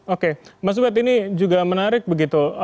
oke mas ubed ini juga menarik begitu